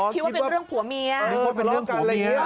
คิดว่าเป็นเรื่องผัวเมียเออคิดว่าเป็นเรื่องผัวเมีย